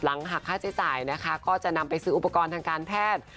หากค่าใช้จ่ายนะคะก็จะนำไปซื้ออุปกรณ์ทางการแพทย์